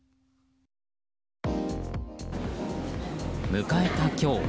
迎えた今日。